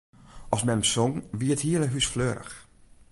As mem song, wie it hiele hús fleurich.